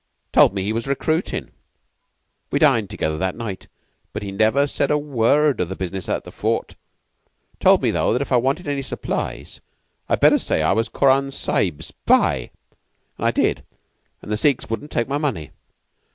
Told me he was recruitin'. We dined together that night, but he never said a word of the business at the Fort. Told me, though, that if I wanted any supplies I'd better say I was Koran Sahib's bhai; and I did, and the Sikhs wouldn't take my money."